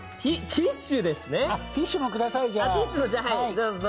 ティッシュもください。